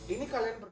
ini kalian berdua